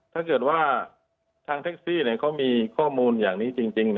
ถ้าเกิดว่าทางแท็กซี่เขามีข้อมูลอย่างนี้จริง